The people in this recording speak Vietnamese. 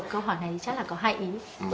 câu hỏi này chắc là có hai ý